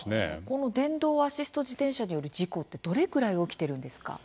この電動アシスト自転車による事故ってどれくらい起きてるんですか？